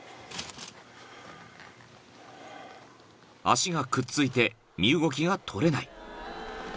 ［足がくっついて身動きが取れない］